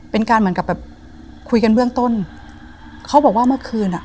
เป็นการเหมือนกับแบบคุยกันเบื้องต้นเขาบอกว่าเมื่อคืนอ่ะ